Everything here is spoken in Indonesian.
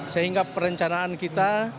sehingga perencanaan kita